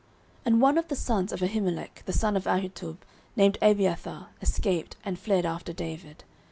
09:022:020 And one of the sons of Ahimelech the son of Ahitub, named Abiathar, escaped, and fled after David.